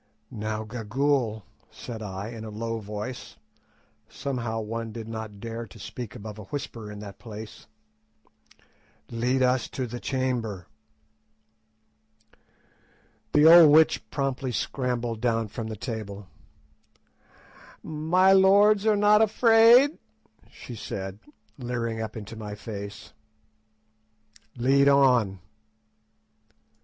"Now, Gagool," said I, in a low voice—somehow one did not dare to speak above a whisper in that place—"lead us to the chamber." The old witch promptly scrambled down from the table. "My lords are not afraid?" she said, leering up into my face. "Lead on."